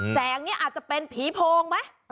แสงนี้อาจจะเป็นผีโพงไหม